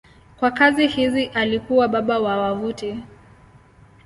Kwa kazi hizi alikuwa baba wa wavuti.